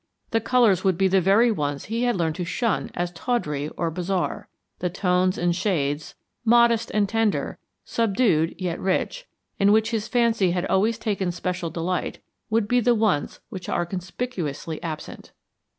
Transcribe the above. The colors would be the very ones he had learned to shun as tawdry or bizarre. The tones and shades, modest and tender, subdued yet rich, in which his fancy had always taken special delight, would be the ones which are conspicuously absent."